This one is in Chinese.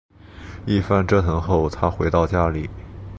一番折腾后她回到家里